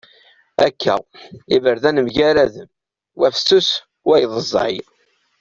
Akka! Iberdan mgaraden. Wa fessus wayeḍ ẓẓay.